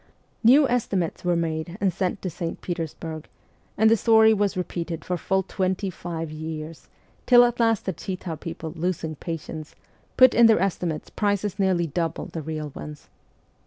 New estimates were made and sent to St. Petersburg, and the story was repeated for full twenty five years, till at last the Chita people, losing patience, put in their estimates prices nearly double the real ones.